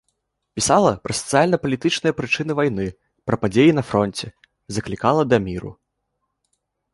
Пісала пра сацыяльна-палітычныя прычыны вайны, пра падзеі на фронце, заклікала да міру.